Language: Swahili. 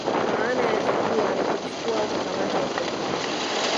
Maana ya Zigua ni kuchukua au kukamata eneo